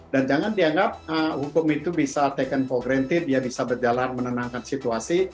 dan jangan dianggap hukum itu bisa taken for granted dia bisa berjalan menenangkan situasi